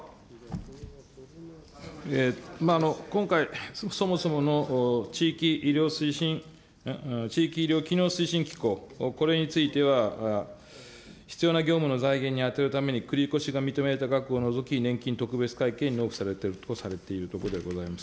今回、そもそもの地域医療推進、地域医療機能推進機構、これについては必要な業務の財源に充てるために繰り越しが認められた額を除き、年金特別会計に納付されているとされているところであります。